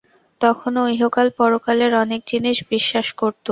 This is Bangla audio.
তখনো ইহকাল-পরকালের অনেক জিনিস বিশ্বাস করতুম।